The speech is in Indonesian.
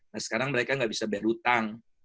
nah sekarang mereka tidak bisa berhutang